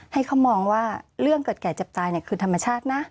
ให้เขามองว่าเรื่องเกิดแก่เจ็บตายคือธรรมชาตินะ